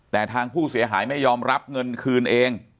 แต่ทางผู้เสียหายไม่ยอมรับเงินคืนเอง